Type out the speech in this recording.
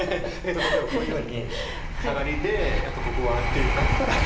例えばこういうふうにサガリでやっぱりここを安定させたらハハッ。